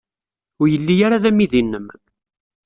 Ur yelli ara d amidi-nnem?